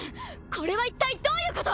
これは一体どういうこと？